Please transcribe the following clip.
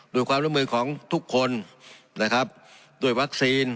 ด้วยความร่วมมือของทุกคนนะครับด้วยวัคซีน